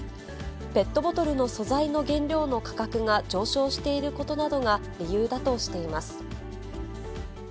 ペットボトルの素材の原料の価格が上昇していることなどが理由だとしています。